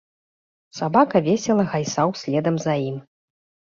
Сабака весела гайсаў следам за ім.